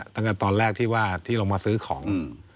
ตั้งแต่ตอนแรกที่ว่าที่เรามาซื้อของ